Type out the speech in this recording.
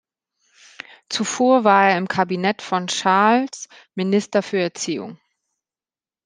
Zuvor war er im Kabinett von Charles Minister für Erziehung.